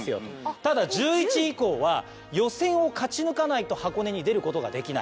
ただ１１位以降は予選を勝ち抜かないと箱根に出ることができない。